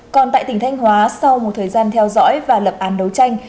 còn tại tỉnh thanh hóa sau một thời gian theo dõi và lập án đấu tranh